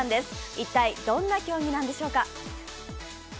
一体、どんな競技なんでしょうか？